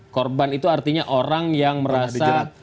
korban itu artinya orang yang merasa